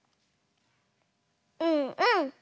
うんうん。